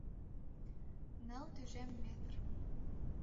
— Ныл тӱжем метр.